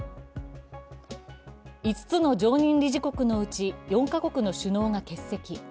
５つの常任理事国のうち４か国の首脳が欠席。